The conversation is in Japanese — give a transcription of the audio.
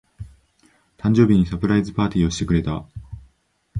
誕生日にサプライズパーティーをしてくれた。